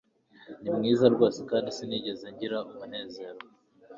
Ni mwiza rwose kandi sinigeze ngira umunezero